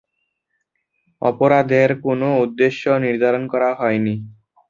অপরাধের কোনও উদ্দেশ্য নির্ধারণ করা হয়নি।